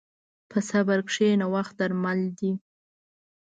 په صبر کښېنه، وخت درمل دی.